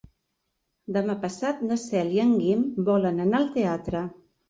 Demà passat na Cel i en Guim volen anar al teatre.